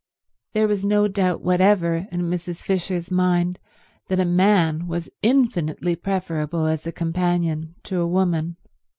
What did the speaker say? There was no doubt whatever in Mrs. Fisher's mind that a man was infinitely preferable as a companion to a woman.